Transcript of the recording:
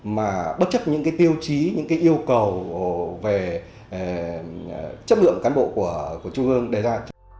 mà bất chấp những cái tiêu chí những cái yêu cầu về chất lượng cán bộ của trung ương đề ra